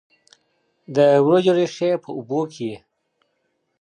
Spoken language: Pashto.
د وریجو ریښې په اوبو کې وي.